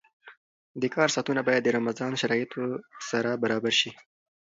د کار ساعتونه باید د رمضان شرایطو سره برابر شي.